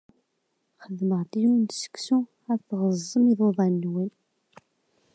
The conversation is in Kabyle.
Xedmeɣ-d yiwen n seksu, ad tɣeẓẓem iḍudan-nwen!